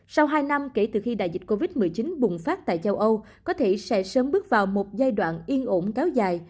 sau hai năm kể từ khi đại dịch covid một mươi chín bùng phát tại châu âu có thể sẽ sớm bước vào một giai đoạn yên ổn kéo dài